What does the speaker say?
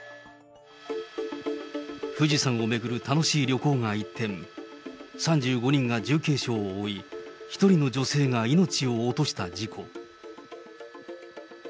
富士山を巡る楽しい旅行が一転、３５人が重軽傷を負い、１人の女性が命を落とした事故。